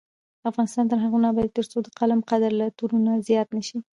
افغانستان تر هغو نه ابادیږي، ترڅو د قلم قدر له تورې زیات نه شي.